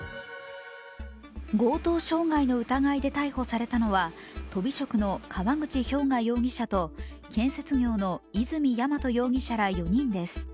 強盗傷害の疑いで逮捕されたのはとび職の河口彪容疑者と建設業の泉弥真斗容疑者ら４人です